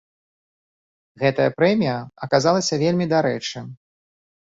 Гэтая прэмія аказалася вельмі дарэчы.